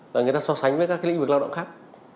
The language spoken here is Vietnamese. và người ta so sánh với các lĩnh vực lao động khác